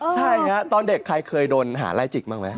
ใช่ฮะตอนเด็กใครเคยโดนหาไล่จิกบ้างไหม